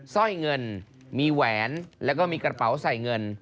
สร้อยเงินมีแหวนแล้วก็มีกระเป๋าใส่เงิน